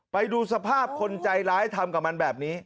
ไปดูสภาพคนใจร้ายทำกับมันแบบนี้